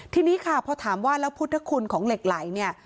ทีนี้ค่ะพอถามว่าแล้วพุทธคุณของเหล็กไหลเนี่ย